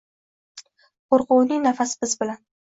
Qo’rquvning nafasi biz bilan